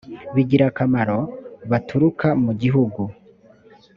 bigirira akamaro baturuka mu gihugu